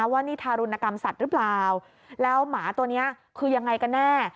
ว่านี่ทารุณกรรมสัตว์หรือเปล่าแล้วหมาตัวนี้คือยังไงกันแน่